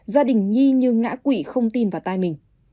gia đình nhi như ngã quỷ không tin vào tay mình